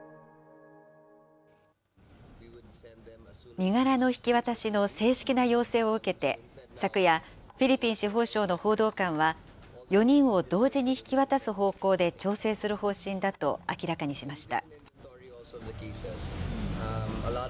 身柄の引き渡しの正式な要請を受けて、昨夜、フィリピン司法省の報道官は、４人を同時に引き渡す方向で調整する方針だと明らかにしました。